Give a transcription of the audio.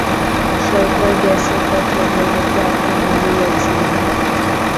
সরকার, গ্যাসের কথা বললে তো আপনি নিজেই এক সিলিন্ডার।